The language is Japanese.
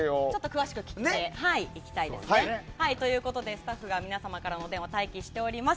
詳しく聞いていきたいですね。ということでスタッフが皆さんからの電話に待機しています。